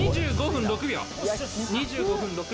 ２５分６秒。